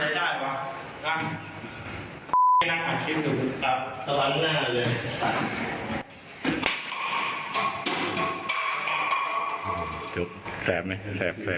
มีแต่ตัวเนี่ยแล้วว่าเกรดแบบมึงยังไปทำอะไรได้วะนะ